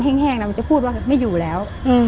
แห้งนะมันจะพูดว่าไม่อยู่แล้ว